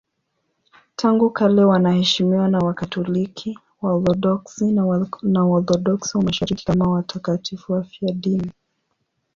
Tangu kale wanaheshimiwa na Wakatoliki, Waorthodoksi na Waorthodoksi wa Mashariki kama watakatifu wafiadini.